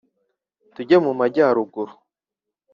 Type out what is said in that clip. tujye mu majyaruguru